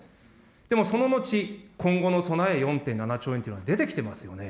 でも、その後、今後の備え４．７兆円というのが出てきてますよね。